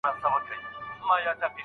آیا د ګوتو نښي د مخ تر نښو ځانګړي دي؟